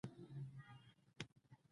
کانګ ولسوالۍ پولې ته نږدې ده؟